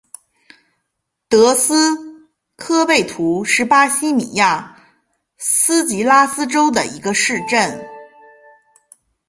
德斯科贝图是巴西米纳斯吉拉斯州的一个市镇。